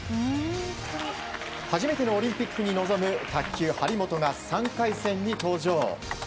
初めてのオリンピックに臨む卓球、張本が３回戦に登場。